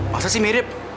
masa sih mirip